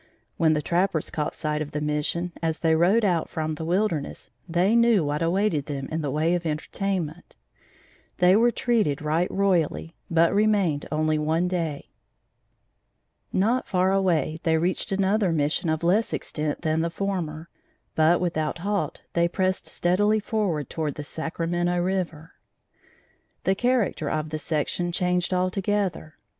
When the trappers caught sight of the Mission, as they rode out from the wilderness, they knew what awaited them in the way of entertainment. They were treated right royally, but remained only one day. Not far away they reached another Mission of less extent than the former, but, without halt, they pressed steadily forward toward the Sacramento River. The character of the section changed altogether.